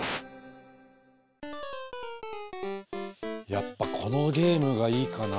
やっぱこのゲームがいいかな。